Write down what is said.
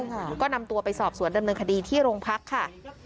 ค่ะก็นำตัวไปสอบสวนดำเนินคดีที่โรงพักค่ะ